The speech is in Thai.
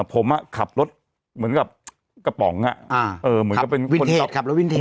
ผมอ่ะขับรถเหมือนกับกระป๋องอ่ะอ่าเออเหมือนกับเป็นขับรถวินเทศ